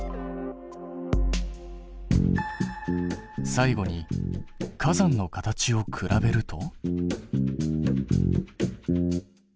最後に火山の形を比べると。